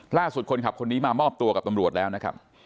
ล่าสุดคนขับคนนี้มามอบตัวกับตำรวจแล้วนะครับ